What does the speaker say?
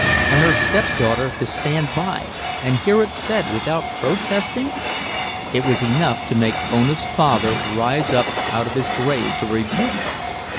And her stepdaughter to stand by and hear it said without protesting! It was enough to make Ona's father rise up out of his grave to rebuke her!